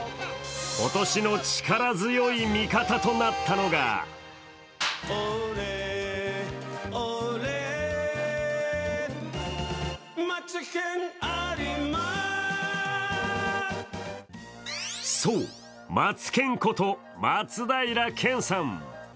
今年の力強い味方となったのがそう、マツケンこと松平健さん。